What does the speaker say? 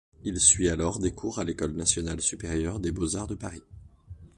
Il suit alors des cours à l'École nationale supérieure des beaux-arts de Paris.